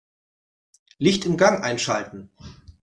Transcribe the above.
Licht im Gang einschalten.